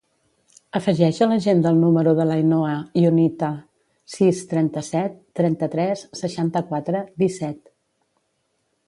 Afegeix a l'agenda el número de l'Ainhoa Ionita: sis, trenta-set, trenta-tres, seixanta-quatre, disset.